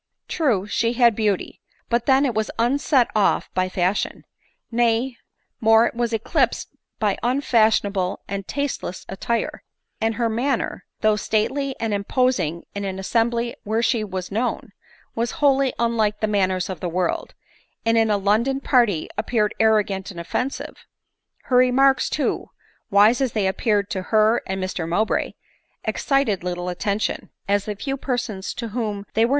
True, she had beauty, but then it was unset off by fashion ; nay, more, it was eclipsed by unfashionable and tasteless attire ; and her manner, y though stately and imposing in an assembly where she was known, was wholly unlike the manners of the world, ff and in a London party appeared arrogant and offensive. Her remarks, too, wise as they appeared to her and Mr Mowbray, excited little attention — as the few persons to ^ whom they where.